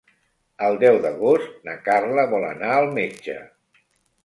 El deu d'agost na Carla vol anar al metge.